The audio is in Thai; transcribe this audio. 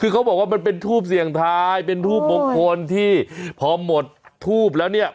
คือเขาบอกว่ามันเป็นทูบเสี่ยงทายเป็นทูบมงคลที่พอหมดทูบแล้วเนี่ย